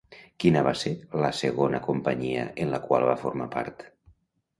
Quina va ser la segona companyia en la qual va formar part?